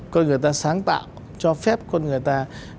coi người ta sáng tạo cho phép con người ta